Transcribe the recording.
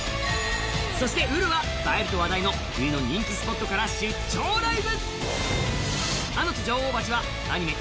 そしてＵｒｕは映えると話題の冬の人気スポットから「出張ライブ！」。